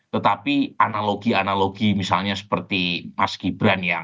tetapi analogi analogi misalnya seperti mas gibran ya